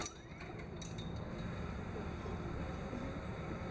Svými výkony propagoval Sportovní klub vozíčkářů Praha.